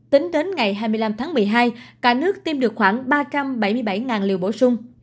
tính đến ngày hai mươi năm tháng một mươi hai cả nước tiêm được khoảng ba trăm bảy mươi bảy liều bổ sung